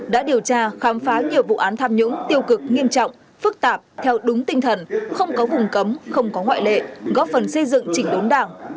đã điều tra khám phá nhiều vụ án tham nhũng tiêu cực nghiêm trọng phức tạp theo đúng tinh thần không có vùng cấm không có ngoại lệ góp phần xây dựng chỉnh đốn đảng